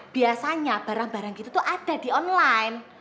biasanya barang barang gitu tuh ada di online